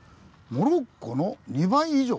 モロッコの２倍以上。